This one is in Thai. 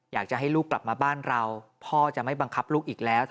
อยากจะให้ลูกกลับมาบ้านเราพ่อจะไม่บังคับลูกอีกแล้ว